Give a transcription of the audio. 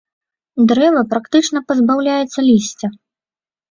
Дрэва практычна пазбаўляецца лісця.